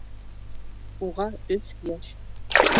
Уға өс йәш